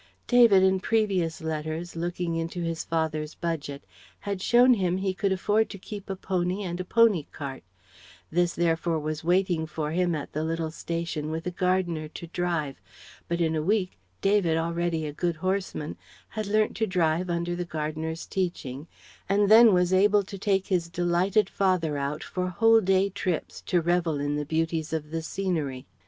David in previous letters, looking into his father's budget, had shown him he could afford to keep a pony and a pony cart. This therefore was waiting for him at the little station with the gardener to drive. But in a week, David, already a good horseman, had learnt to drive under the gardener's teaching, and then was able to take his delighted father out for whole day trips to revel in the beauties of the scenery.